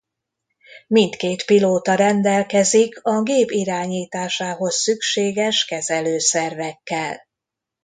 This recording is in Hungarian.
Mindkét pilóta rendelkezik a gép irányításához szükséges kezelőszervekkel.